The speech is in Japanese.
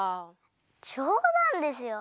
じょうだんですよ！